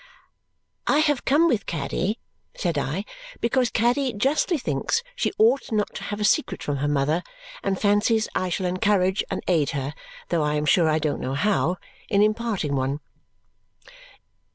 "I have come with Caddy," said I, "because Caddy justly thinks she ought not to have a secret from her mother and fancies I shall encourage and aid her (though I am sure I don't know how) in imparting one."